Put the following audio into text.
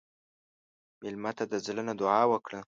مېلمه ته د زړه نه دعا وکړه.